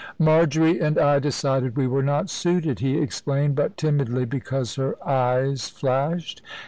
"Marjory and I decided we were not suited," he explained, but timidly, because her eyes flashed.